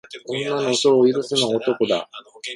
女の嘘は許すのが男だ。